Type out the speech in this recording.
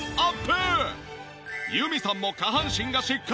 由美さんも下半身がしっかり。